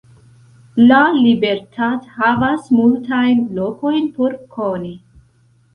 La Libertad havas multajn lokojn por koni.